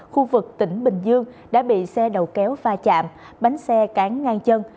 khu vực tỉnh bình dương đã bị xe đầu kéo pha chạm bánh xe cán ngang chân